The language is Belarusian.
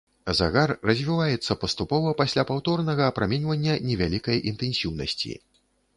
Загар развіваецца паступова пасля паўторнага апраменьвання невялікай інтэнсіўнасці.